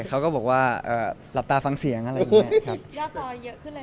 เขาก็บอกว่าหลับตาฟังเสียงอะไรอย่างนี้